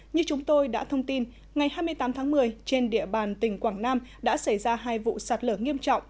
như chúng tôi đã thông tin ngày hai mươi tám tháng một mươi trên địa bàn tỉnh quảng nam đã xảy ra hai vụ sạt lở nghiêm trọng